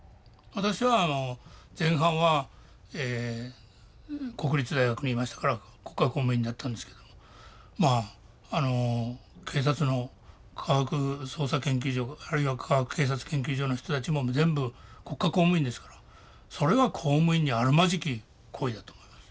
私は前半は国立大学にいましたから国家公務員だったんですけどもまあ警察の科学捜査研究所あるいは科学警察研究所の人たちも全部国家公務員ですからそれは公務員にあるまじき行為だと思います。